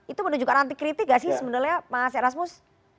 itu menunjukkan anti kritik gak sih sebenarnya mas erasmus